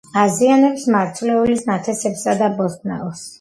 აზიანებს მარცვლეულის ნათესებსა და ბოსტნეულს.